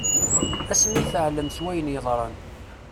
Asmi i teɛllem s wayen yeḍran.